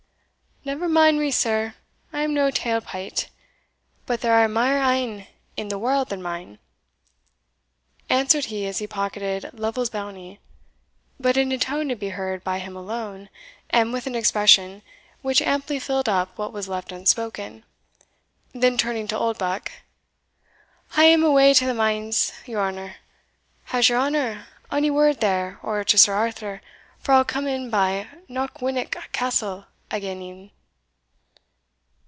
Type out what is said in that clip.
"Never mind me, sir I am no tale pyet; but there are mair een in the warld than mine," answered he as he pocketed Lovel's bounty, but in a tone to be heard by him alone, and with an expression which amply filled up what was left unspoken. Then turning to Oldbuck "I am awa' to the manse, your honour. Has your honour ony word there, or to Sir Arthur, for I'll come in by Knockwinnock Castle again e'en?"